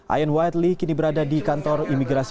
ayan whiteleay kini berada di kantor imigrasi